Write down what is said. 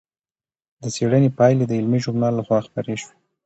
د څېړنې پایلې د علمي ژورنال لخوا خپرې شوې.